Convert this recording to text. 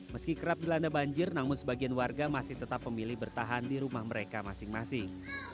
meski kerap dilanda banjir namun sebagian warga masih tetap memilih bertahan di rumah mereka masing masing